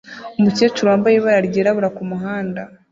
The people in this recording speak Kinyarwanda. Umukecuru wambaye ibara ryirabura kumuhanda